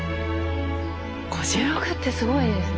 ５６ってすごいですね。